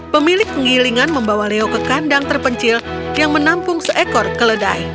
pemilik penggilingan membawa leo ke kandang terpencil yang menampung seekor keledai